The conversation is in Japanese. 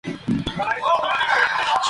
今週末旅行に出かけます